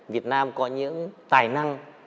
việt nam có những tài năng